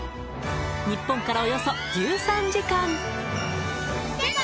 日本からおよそ１３時間